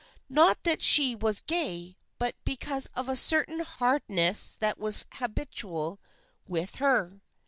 Not that she was gay, but because of a certain hardness that was habitual with her.